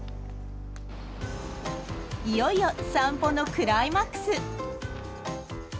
いよいよ散歩のクライマックス。